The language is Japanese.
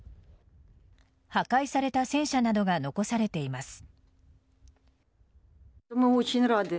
破壊された戦車などが残されています。